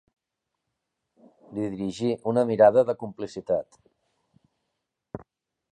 Li dirigí una mirada de complicitat.